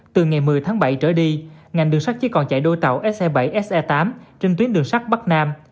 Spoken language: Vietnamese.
từ ngày một mươi tháng bảy trở đi ngành đường sắt chỉ còn chạy đôi tàu se bảy se tám trên tuyến đường sắt bắc nam